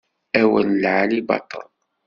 Awal n lεali baṭel.